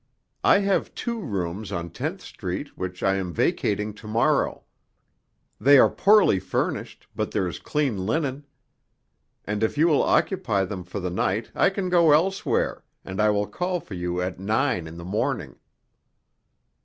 "I have two rooms on Tenth Street which I am vacating to morrow. They are poorly furnished, but there is clean linen; and if you will occupy them for the night I can go elsewhere, and I will call for you at nine in the morning."